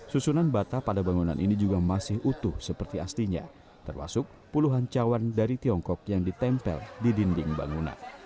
susunan bata pada bangunan ini juga masih utuh seperti aslinya termasuk puluhan cawan dari tiongkok yang ditempel di dinding bangunan